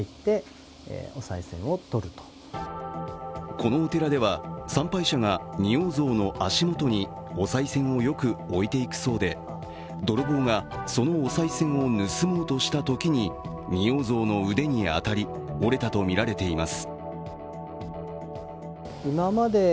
このお寺では参拝者が仁王像の足元におさい銭をよく置いていくそうで泥棒がそのおさい銭を盗もうとしたときに仁王像の腕に当たり折れたとみられています。